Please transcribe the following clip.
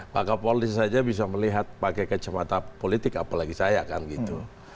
pak kapolri saja bisa melihat pakai kacamata politik apalagi saya kan gitu